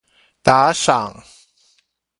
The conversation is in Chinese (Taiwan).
打賞